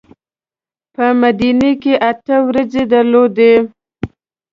په مدینه کې اته ورځې درلودې.